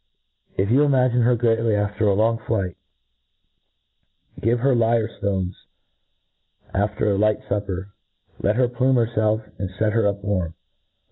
If you imagine her greafy after a long flight, give her ftones after a light fupper ;— let her plume hcrfelf, and fct her up warm.